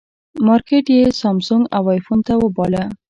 مارکېټ یې سامسونګ او ایفون ته وبایله.